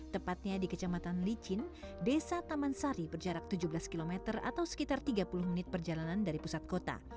tepatnya di kecamatan licin desa taman sari berjarak tujuh belas km atau sekitar tiga puluh menit perjalanan dari pusat kota